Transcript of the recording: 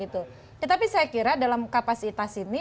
tetapi saya kira dalam kapasitas ini